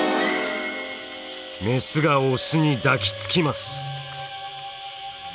メスがオスに抱きつきます！